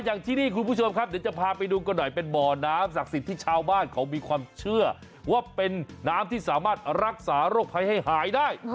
อย่างที่นี่คุณผู้ชมครับเดี๋ยวจะพาไปดูกันหน่อยเป็นบ่อน้ำศักดิ์สิทธิ์ที่ชาวบ้านเขามีความเชื่อว่าเป็นน้ำที่สามารถรักษาโรคภัยให้หายได้